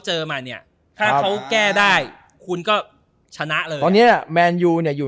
เจอมาเนี่ยถ้าเขาแก้ได้คุณก็ชนะเลยตอนเนี้ยแมนยูเนี่ยอยู่